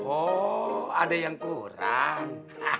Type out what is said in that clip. oh ada yang kurang